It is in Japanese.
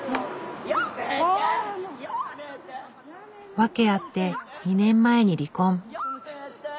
訳あって２年前に離婚。